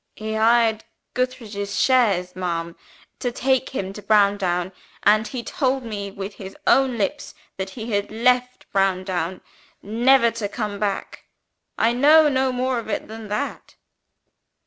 "He hired Gootheridge's chaise, ma'am, to take him to Brighton. And he told me with his own lips that he had left Browndown never to come back. I know no more of it than that."